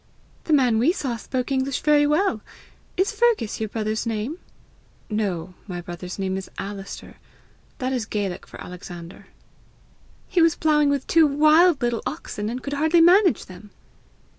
"The man we saw spoke English very well. Is Fergus your brother's name?" "No; my brother's name is Alister that is Gaelic for Alexander." "He was ploughing with two wild little oxen, and could hardly manage them."